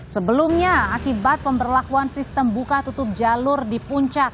sebelumnya akibat pemberlakuan sistem buka tutup jalur di puncak